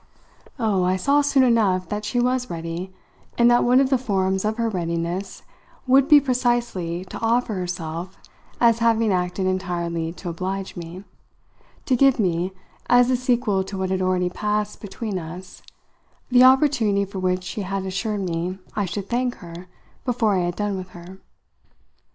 Oh, I saw soon enough that she was ready and that one of the forms of her readiness would be precisely to offer herself as having acted entirely to oblige me to give me, as a sequel to what had already passed between us, the opportunity for which she had assured me I should thank her before I had done with her.